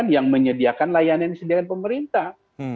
yang menyediakan layanan yang disediakan pemerintah